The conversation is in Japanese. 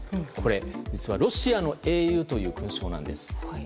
実はロシアの英雄という勲章なんです。